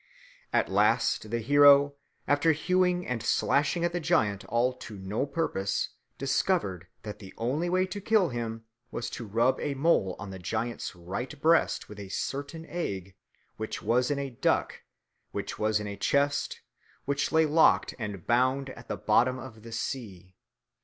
At last the hero, after hewing and slashing at the giant all to no purpose, discovered that the only way to kill him was to rub a mole on the giant's right breast with a certain egg, which was in a duck, which was in a chest, which lay locked and bound at the bottom of the sea.